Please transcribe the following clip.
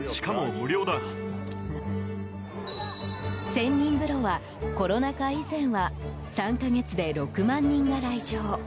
仙人風呂は、コロナ禍以前は３か月で６万人が来場。